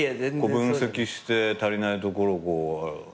分析して足りないところをね。